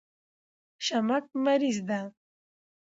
شمک مریض ده